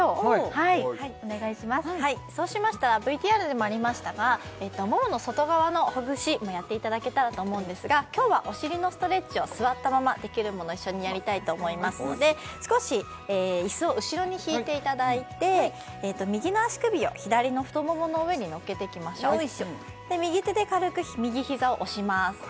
はいそうしましたらＶＴＲでもありましたがももの外側のほぐしもやっていただけたらと思うんですが今日はお尻のストレッチを座ったままできるもの一緒にやりたいと思いますので少し椅子を後ろに引いていただいて右の足首を左の太ももの上にのっけていきましょう右手で軽く右ひざを押します